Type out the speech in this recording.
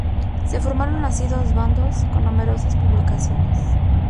Se formaron así dos bandos, con numerosas publicaciones.